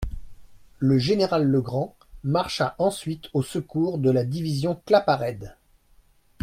Le général Legrand marcha ensuite au secours de la division Claparède.